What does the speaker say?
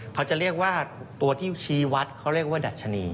เขาจะเรียกว่าตัวที่ชี้วัดเขาเรียกว่าดัชนี